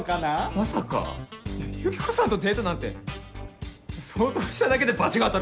まさかユキコさんとデートなんて想像しただけで罰が当たるわ。